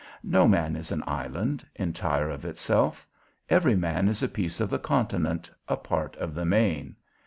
No man is an island, entire of itself; every man is a piece of the continent, a part of the main.